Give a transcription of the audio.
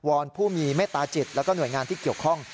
อนผู้มีเมตตาจิตแล้วก็หน่วยงานที่เกี่ยวข้อง